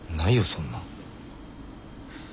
そんなん。